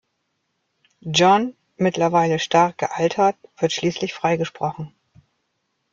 Jon, mittlerweile stark gealtert, wird schließlich freigesprochen.